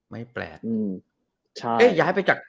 ไม่แปลก